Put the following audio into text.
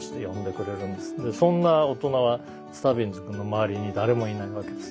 そんな大人はスタビンズ君の周りに誰もいないわけです。